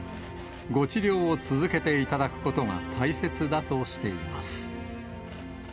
ご治療を続けていただくことが大切だとしています。